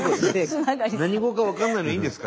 何語か分かんないのはいいんですか？